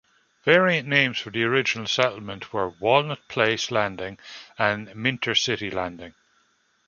Variant names for the original settlement were "Walnut Place Landing" and "Minter City Landing".